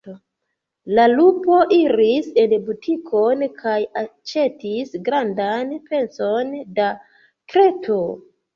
La lupo iris en butikon kaj aĉetis grandan pecon da kreto.